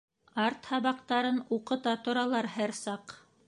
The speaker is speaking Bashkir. Арт һабаҡтарын уҡыта торалар һәр саҡ.